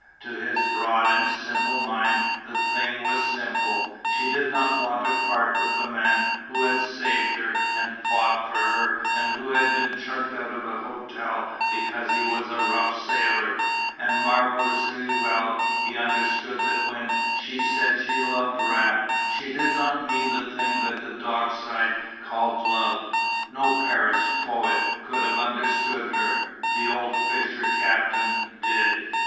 To his broad and simple mind the thing was simple; she did not want to part with the man who had saved her and fought for her and who had been "chucked out" of a hotel because he was a rough sailor, and marvellously well he understood that when she said she loved Raft she did not mean the thing that the dock side called Love. No Paris poet could have understood her. The old fisher captain did.